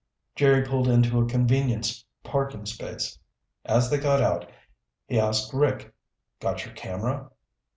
Jerry pulled into a convenient parking space. As they got out, he asked Rick, "Got your camera?"